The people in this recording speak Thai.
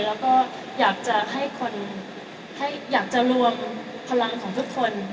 แล้วก็อยากจะให้คนอยากจะรวมพลังของทุกคน